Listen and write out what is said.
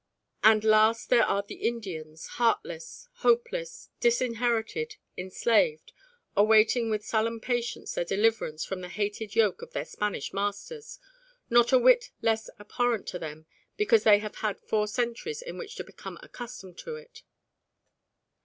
And last there are the Indians, heartless, hopeless, disinherited, enslaved, awaiting with sullen patience their deliverance from the hated yoke of their Spanish masters, not a whit less abhorrent to them because they have had four centuries in which to become accustomed to it.